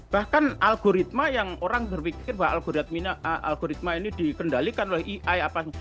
bahkan algoritma yang orang berpikir bahwa algoritma ini dikendalikan oleh ai apa